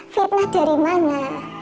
fitnah dari mana